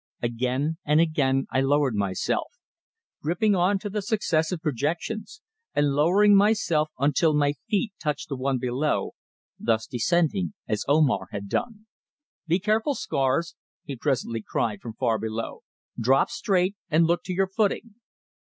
Again and again I lowered myself, gripping on to the successive projections, and lowering myself until my feet touched the one below, thus descending as Omar had done. "Be careful, Scars," he presently cried from far below. "Drop straight, and look to your footing."